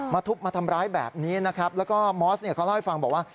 มาทุบมาทำร้ายแบบนี้แล้วก็มอสเขาเล่าให้ฟังบอกว่า